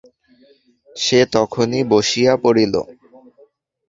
সে তখনই বসিয়া পড়িল।